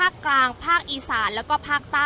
อาจจะออกมาใช้สิทธิ์กันแล้วก็จะอยู่ยาวถึงในข้ามคืนนี้เลยนะคะ